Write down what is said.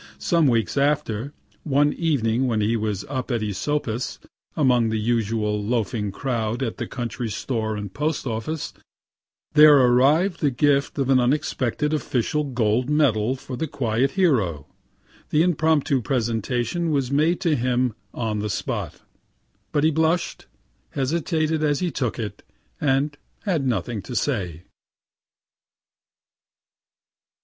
Some weeks after, one evening when he was up at Esopus, among the usual loafing crowd at the country store and post office, there arrived the gift of an unexpected official gold medal for the quiet hero. The impromptu presentation was made to him on the spot, but he blush'd, hesitated as he took it, and had nothing to say.